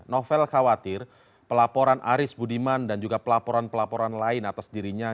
novel khawatir pelaporan aris budiman dan juga pelaporan pelaporan lain atas dirinya